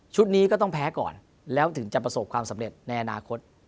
นี้ก็ต้องแพ้ก่อนแล้วถึงจะประสบความสำเร็จในอนาคต